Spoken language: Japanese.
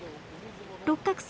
六角さん